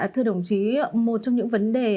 thưa đồng chí một trong những vấn đề